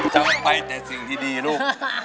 จำไปแต่สิ่งที่ดีลูก